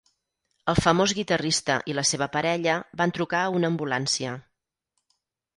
El famós guitarrista i la seva parella van trucar a una ambulància.